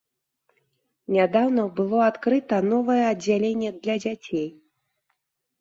Нядаўна было адкрыта новае аддзяленне для дзяцей.